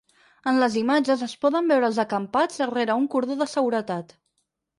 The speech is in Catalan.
En les imatges es poden veure els acampats rere un cordó de seguretat.